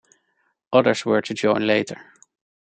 Others were to join later.